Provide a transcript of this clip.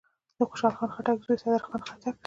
دخوشحال خان خټک زوی صدرخان خټک دﺉ.